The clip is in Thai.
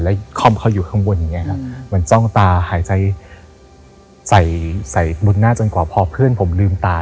แล้วคอมเขาอยู่ข้างบนอย่างนี้ครับเหมือนจ้องตาหายใจใส่บุญหน้าจนกว่าพอเพื่อนผมลืมตา